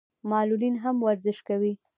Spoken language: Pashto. معلولین هم ورزش کوي.